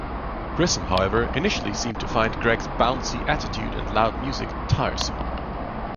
Grissom, however, initially seemed to find Greg's bouncy attitude and loud music tiresome.